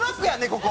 ここ。